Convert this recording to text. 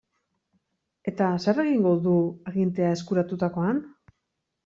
Eta zer egingo du agintea eskuratutakoan?